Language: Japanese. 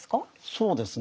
そうですね